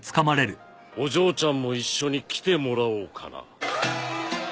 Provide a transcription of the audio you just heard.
お嬢ちゃんも一緒に来てもらおうかな。